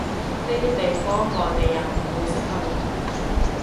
呢啲地方外地人唔會識去